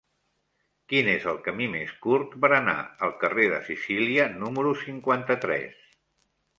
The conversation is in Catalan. Quin és el camí més curt per anar al carrer de Sicília número cinquanta-tres?